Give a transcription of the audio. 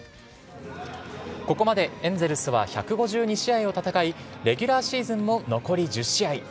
ここまでエンゼルスは１５２試合を戦い、レギュラーシーズンも残り１０試合。